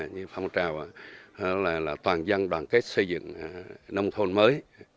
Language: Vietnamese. như phong trào toàn dân đoàn kết xây dựng nông thôn mới